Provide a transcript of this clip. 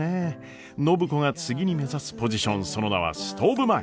暢子が次に目指すポジションその名はストーブ前。